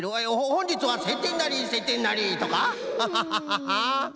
「ほんじつはせいてんなりせいてんなり」とか？ハハハハハッ！